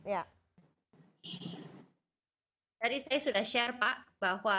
jadi saya sudah share pak bahwa